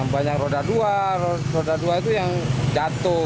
banyak roda dua roda dua itu yang jatuh